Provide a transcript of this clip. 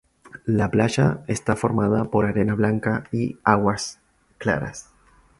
La playa está formada por arena blanca, y aguas claras.